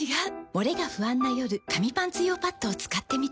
モレが不安な夜紙パンツ用パッドを使ってみた。